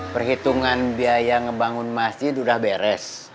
perhitungan biaya ngebangun masjid sudah beres